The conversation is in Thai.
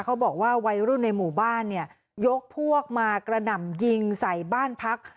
เขาบอกว่าวัยรุ่นในหมู่บ้านยกพวกมากระด่ำยิงใส่บ้านพัก